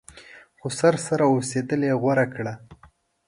خسر سره اوسېدل یې غوره کړه.